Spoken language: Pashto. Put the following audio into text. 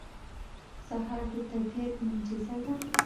سهار د طبیعت معجزه ده.